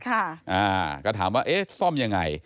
อ่าก็ถามว่าซ่อมยังไง